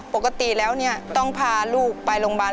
ปกติแล้วฟากพาลูกไปโรงบาล